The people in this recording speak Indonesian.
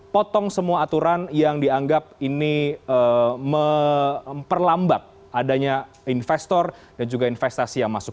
potong semua aturan yang dianggap ini memperlambat adanya investor dan juga investasi yang masuk